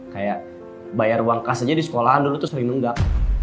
kayak bayar uang kas di sekolah dulu itu sering nunggak